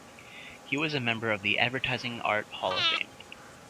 He was a member of the Advertising Art Hall of Fame.